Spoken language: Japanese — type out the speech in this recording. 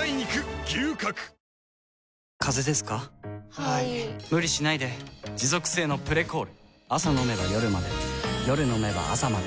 はい・・・無理しないで持続性の「プレコール」朝飲めば夜まで夜飲めば朝まで